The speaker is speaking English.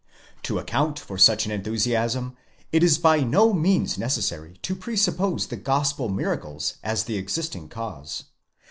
To account for such an enthusiasm it is by no means necessary to presuppose the gospel miracles as the existing cause.